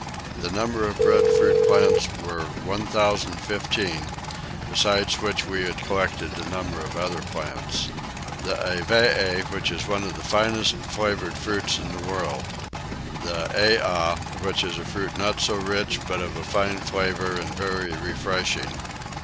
The number of breadfruit plants were 1015, besides which we had collected a number of other plants. The avee, which is one of the finest flavoured fruits in the world. The ayyah, which is a fruit not so rich but of a fine flavour and very refreshing.